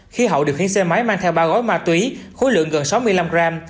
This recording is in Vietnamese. khi hậu điều khiến xe máy mang theo ba gói ma túy khối lượng gần sáu mươi năm gram